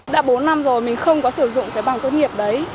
đã bốn năm rồi mình không có sử dụng cái bằng tốt nghiệp đấy